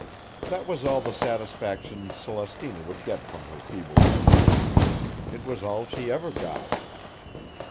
That was all the satisfaction Celestina would get from her feeble complaints; it was all she ever got.